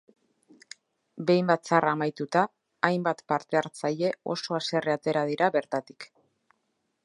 Behin batzarra amaituta, hainbat partehartzaile oso haserre atera dira bertatik.